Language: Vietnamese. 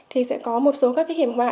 thì sẽ có một số hiểm hoạ